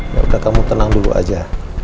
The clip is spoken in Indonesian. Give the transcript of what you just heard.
yaudah kamu tenang dulu aja